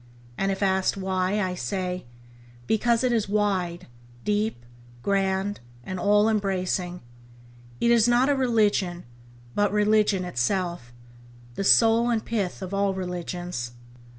And if asked why, I say, Because it is wide, deep, grand, and all embracing; "it is not a religion but religion itself "— the soul and pith of all religions.